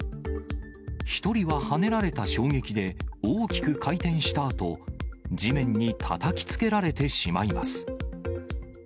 １人ははねられた衝撃で大きく回転したあと、地面にたたきつけられてしまいます。